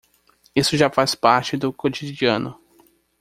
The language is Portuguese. Isso já faz parte do cotidiano.